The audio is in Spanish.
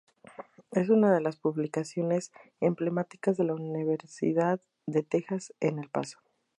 Es una de las publicaciones emblemáticas de la Universidad de Texas en El Paso.